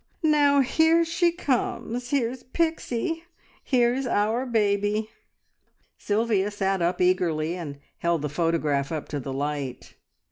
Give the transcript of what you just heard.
"Now, here she comes! Here's Pixie! Here's our Baby!" Sylvia sat up eagerly and held the photograph up to the light.